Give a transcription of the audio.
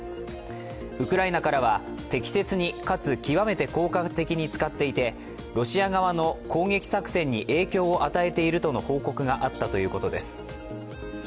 ウクライナからは、適切に、かつ極めて効果的に使っていてロシア側の攻撃作戦に影響を与えているとの報告があったということです。